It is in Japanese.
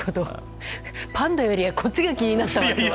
パンダよりはこっちが気になった。